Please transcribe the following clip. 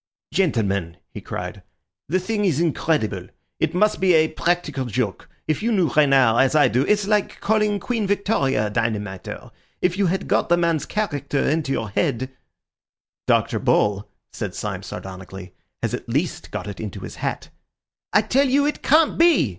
"Gentlemen," he cried, "the thing is incredible. It must be a practical joke. If you knew Renard as I do—it's like calling Queen Victoria a dynamiter. If you had got the man's character into your head—" "Dr. Bull," said Syme sardonically, "has at least got it into his hat." "I tell you it can't be!"